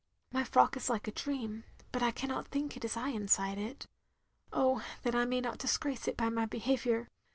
" My frock is like a dream, but I cannot think it is I inside it. ... Oh that I may not disgrace it by my behaviour.